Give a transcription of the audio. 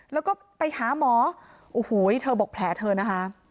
แล้วก็ไปหาหมอโอ้โหเธอบอกแผลเธอนะคะ